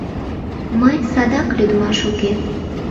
Мый садак лӱдмаш уке.